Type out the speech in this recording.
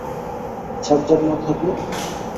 সাজ্জাদ না থাকলে?